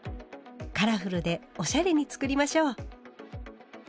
カラフルでおしゃれに作りましょう。